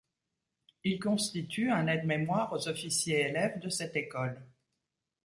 Il constitue un aide-mémoire aux officiers élèves de cette école.